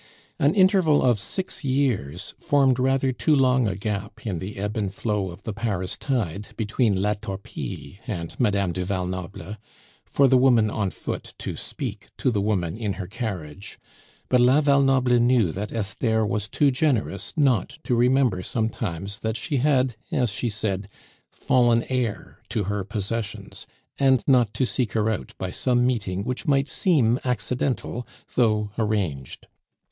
An interval of six years formed rather too long a gap in the ebb and flow of the Paris tide, between La Torpille and Madame du Val Noble, for the woman "on foot" to speak to the woman in her carriage; but La Val Noble knew that Esther was too generous not to remember sometimes that she had, as she said, fallen heir to her possessions, and not to seek her out by some meeting which might seem accidental though arranged.